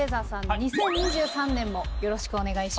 ２０２３年もよろしくお願いします。